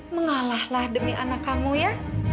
mengalahlah demi anak kamu ya